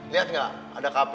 lihat gak ada kp